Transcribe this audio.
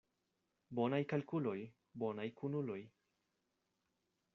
Bonaj kalkuloj, bonaj kunuloj.